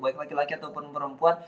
baik laki laki ataupun perempuan